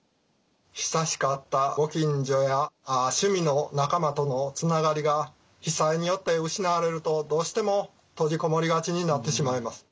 親しかったご近所や趣味の仲間とのつながりが被災によって失われるとどうしても閉じこもりがちになってしまいます。